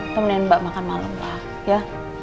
pemenin mbak makan malam lah ya